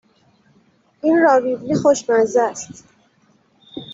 این راویولی خوشمزه است